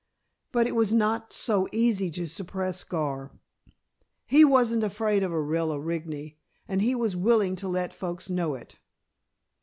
But it was not so easy to suppress Gar. He wasn't afraid of Orilla Rigney, and he was willing to let folks know it.